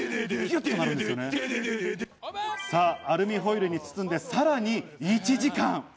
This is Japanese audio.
さぁ、アルミホイルに包んでさらに１時間。